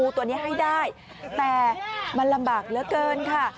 แต่มันลำบากเหลือเกินค่ะ